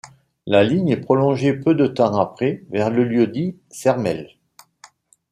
La ligne est prolongée peu de temps après vers le lieu-dit Čermeľ.